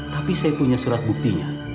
tapi saya punya surat buktinya